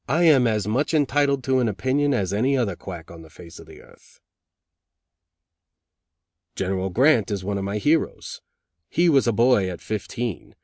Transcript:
"I am as much entitled to an opinion as any other quack on the face of the earth." "General Grant is one of my heroes. He was a boy at fifteen.